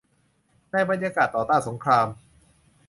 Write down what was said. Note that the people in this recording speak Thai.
ในบรรยากาศต่อต้านสงคราม